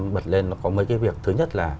bật lên có mấy cái việc thứ nhất là